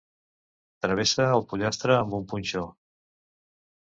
Travessa el pollastre amb un punxó.